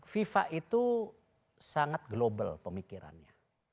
fifa itu sangat global pemikirannya